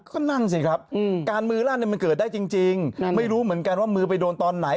ก็นั่นสิครับการมือลั่นมันเกิดได้จริงไม่รู้เหมือนกันว่ามือไปโดนตอนไหน